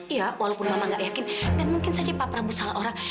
iya walaupun mama gak yakin dan mungkin saja pak prabowo salah orang